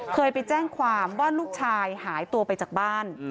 เคยไปแจ้งความว่าลูกชายหายตัวไปจากบ้าน